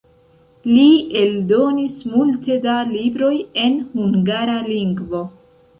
Li eldonis multe da libroj en hungara lingvo.